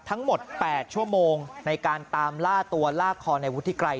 ทั้งหมด๘ชั่วโมงในการตามล่าตัวลากคอในวุฒิไกร